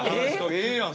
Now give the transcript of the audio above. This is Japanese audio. ええやん